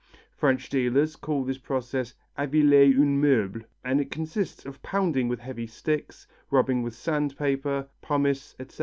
French dealers call this process "aviler un meuble," and it consists of pounding with heavy sticks, rubbing with sand paper, pumice, etc.